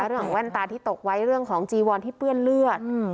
แว่นตาที่ตกไว้เรื่องของจีวอนที่เปื้อนเลือด